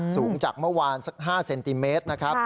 สูงจากเมื่อวาน๕เซนติเมตร